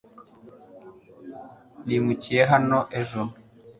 Nimukiye hano ejo .